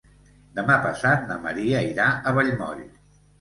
Demà passat na Maria irà a Vallmoll.